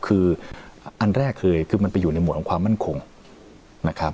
คืออันแรกคือมันไปอยู่ในหมวดของความมั่นคงนะครับ